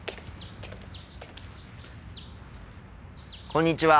こんにちは。